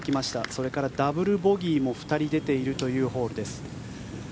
それからダブルボギーも２人出ているというホールです。